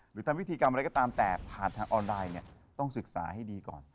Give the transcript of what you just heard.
หรือทำพิธีกรรมอะไรก็ตามแต่ผ่านทางออนไลน์เนี่ยต้องศึกษาให้ดีก่อน